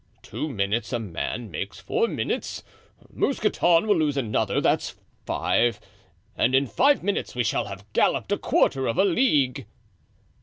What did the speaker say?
Two minutes a man makes four minutes. Mousqueton will lose another, that's five; and in five minutes we shall have galloped a quarter of a league."